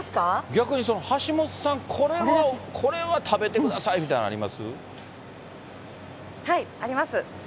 逆にその橋本さん、これは、これは食べてくださいみたいなの、あります。